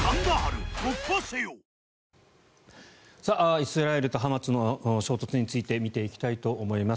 イスラエルとハマスの衝突について見ていきたいと思います。